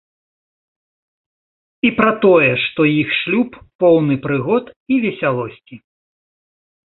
І пра тое, што іх шлюб поўны прыгод і весялосці.